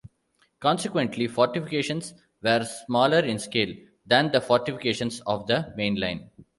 Consequently, fortifications were smaller in scale than the fortifications of the main Line.